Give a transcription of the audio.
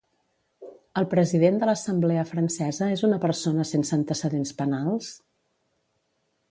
El president de l'Assemblea Francesa és una persona sense antecedents penals?